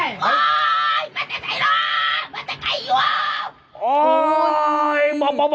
ดูเฮ้ยเฮ้ยดูมะ